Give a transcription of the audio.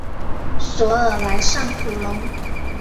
索尔莱尚普隆。